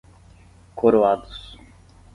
Coroados